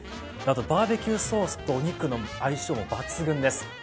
あとバーベキューソースとお肉の相性も抜群です